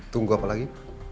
tunggu apa lagi